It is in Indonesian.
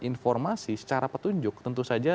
informasi secara petunjuk tentu saja